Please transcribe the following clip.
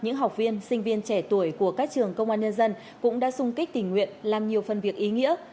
những ngày vừa qua những học viên sinh viên trẻ tuổi của các trường công an nhân dân cũng đã sung kích tình nguyện làm nhiều phân việc ý nghĩa